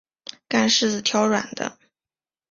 干柿子挑软的